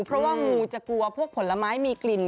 เพราะว่างูจะกลัวพวกผลไม้มีกลิ่น